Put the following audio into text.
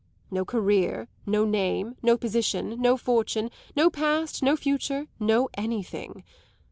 No career, no name, no position, no fortune, no past, no future, no anything.